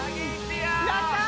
やったー！